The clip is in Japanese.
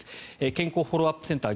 健康フォローアップセンター